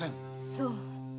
そう。